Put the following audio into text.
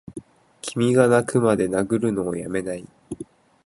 君がッ泣くまで殴るのをやめないッ！